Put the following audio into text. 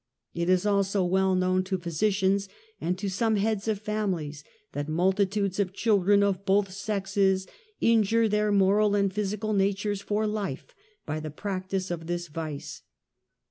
It is also well known to physi cians, and to some heads of families, that multitudes of children of both sexes injure their moral and jDhysical natures for life by the practice of this vice.